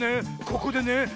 ここでね